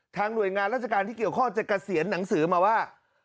หน่วยงานราชการที่เกี่ยวข้องจะเกษียณหนังสือมาว่า